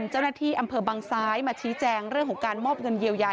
เจ้าหน้าที่อำเภอบังซ้ายมาชี้แจงเรื่องของการมอบเงินเยียวยา